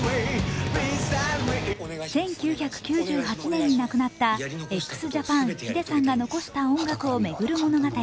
１９９８年に亡くなったＸＪＡＰＡＮ、ｈｉｄｅさんが遺した音楽を巡る物語。